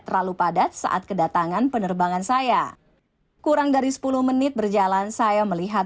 terlalu padat saat kedatangan penerbangan saya kurang dari sepuluh menit berjalan saya melihat